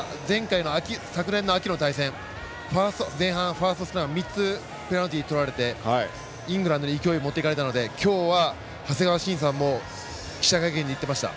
昨年の秋の対戦前半、ファーストスクラム３つペナルティとられてイングランドに勢い持っていかれたので今日は長谷川慎さんも記者会見で言っていました。